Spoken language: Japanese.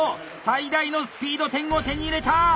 最大のスピード点を手に入れた！